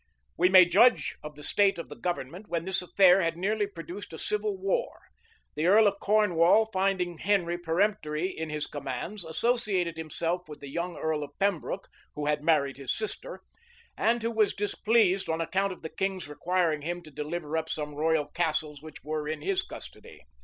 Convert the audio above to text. [*] We may judge of the state of the government, when this affair had nearly produced a civil war The earl of Cornwall, finding Henry peremptory in his commands, associated himself with the young earl of Pembroke who had married his sister, and who was displeased on account of the king's requiring him to deliver up some royal castles which were in his custody.